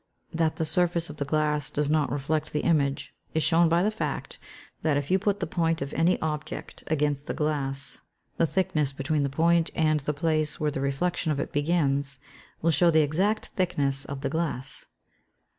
That the surface of the glass does not reflect the image, is shown by the fact, that if you put the point of any object against the glass, the thickness between the point and the place where the reflection of it begins, will show the exact thickness of the glass.